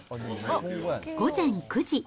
午前９時。